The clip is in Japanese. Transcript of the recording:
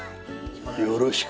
よろしく。